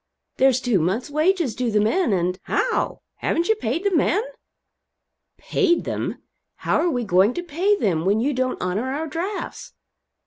There's two months' wages due the men, and " "How? Haven't you paid the men?" "Paid them! How are we going to pay them when you don't honor our drafts?"